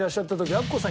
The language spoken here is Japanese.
アッコさん